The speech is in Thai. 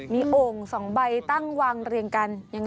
อ้อมีโอ่งสองใบตั้งวางเรียงกันยังไงคะ